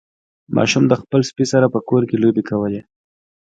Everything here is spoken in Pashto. ماشوم د خپل سپي سره په کور کې لوبې کولې.